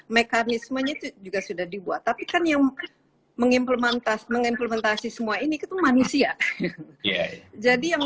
mekanismenya itu juga sudah dibuat tapi kan yang mengimplementasi mengimplementasi semua ini itu manusia jadi yang